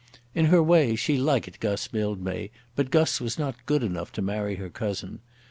In her way she liked Guss Mildmay; but Guss was not good enough to marry her cousin.